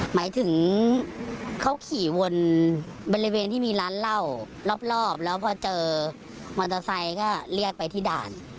หมายถึงเขาขี่วนบริเวณที่มีร้านเหล้ารอบแล้วพอเจอมอเตอร์ไซค์ก็เรียกไปที่ด่าน